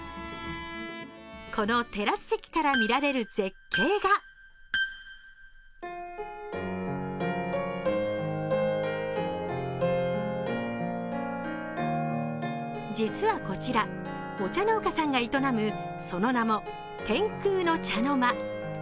このテラス席から見られる絶景が実はこちら、お茶農家さんが営むその名も天空の茶の間。